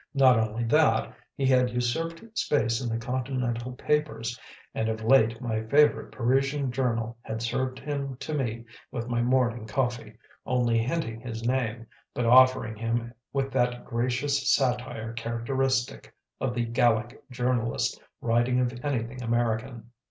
Not only that: he had usurped space in the Continental papers, and of late my favourite Parisian journal had served him to me with my morning coffee, only hinting his name, but offering him with that gracious satire characteristic of the Gallic journalist writing of anything American.